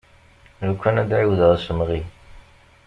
Lukan ad d-ɛiwdeɣ asemɣi.